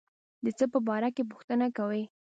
د څه په باره کې پوښتنه کوي.